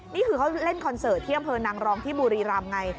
นี่คือเขาเล่นคอนเสิร์ตที่อำเภอนางรองที่บุรีรำไง